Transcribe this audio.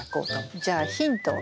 じゃあヒントを。